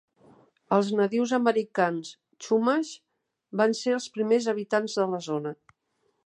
Els nadius americans chumash van ser els primers habitants de la zona.